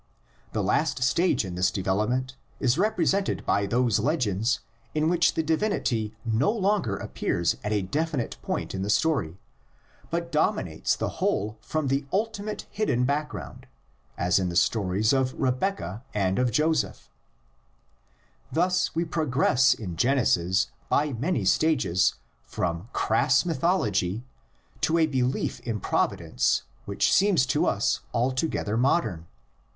The last stage in this development is represented by those legends in which the divinity no longer appears at a definite point in the story, but dominates the whole from the ultimate hidden background, as in the stories of Rebeccah and of Joseph. THE LEGENDS IN ORAL TRADITION. 105 Thus we progress in Genesis by many stages from crass mythology to a belief in providence which seems to us altogether modern.